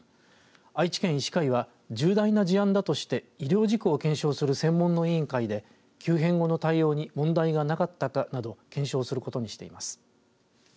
愛知県医師会は重大な事案だとして医療事故を検証する専門の委員会で急変後の対応に問題がなかったかなど検証することにしています。